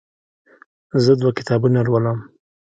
زه دوه کتابونه لولم.